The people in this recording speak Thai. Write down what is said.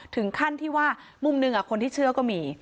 ถึงขั้นที่ว่ามุมหนึ่งคนที่เชื่อก็มี